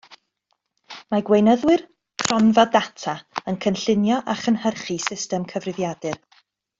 Mae gweinyddwr cronfa ddata yn cynllunio a chynhyrchu system cyfrifiadur